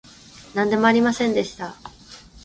なんでもありませんでした